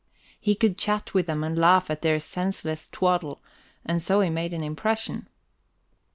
He could chat with them and laugh at their senseless twaddle; and so he made an impression.